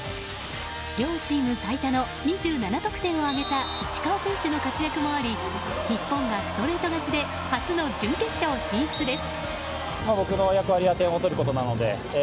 両チーム最多の２７得点を挙げた石川選手の活躍もあり日本がストレート勝ちで初の準決勝進出です。